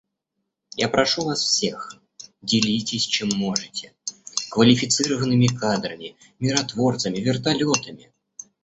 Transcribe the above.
Я прошу вас всех: делитесь, чем можете, — квалифицированными кадрами, миротворцами, вертолетами.